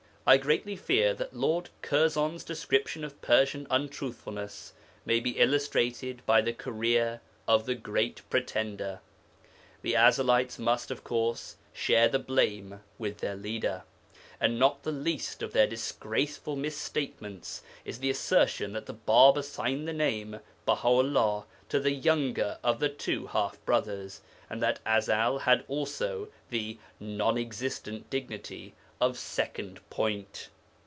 I greatly fear that Lord Curzon's description of Persian untruthfulness may be illustrated by the career of the Great Pretender. The Ezelites must, of course, share the blame with their leader, and not the least of their disgraceful misstatements is the assertion that the Bāb assigned the name Baha 'ullah to the younger of the two half brothers, and that Ezel had also the [non existent] dignity of 'Second Point.'